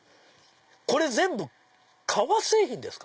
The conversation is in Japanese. これ全部革製品ですか？